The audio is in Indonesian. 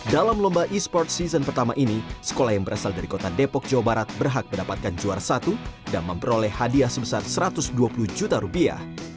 dalam lomba e sports season pertama ini sekolah yang berasal dari kota depok jawa barat berhak mendapatkan juara satu dan memperoleh hadiah sebesar satu ratus dua puluh juta rupiah